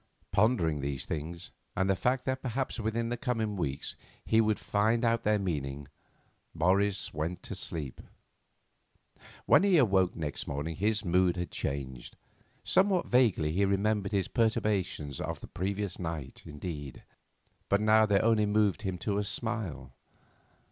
Pondering these things and the fact that perhaps within the coming weeks he would find out their meaning, Morris went to sleep. When he awoke next morning his mood had changed. Somewhat vaguely he remembered his perturbations of the previous night indeed, but now they only moved him to a smile.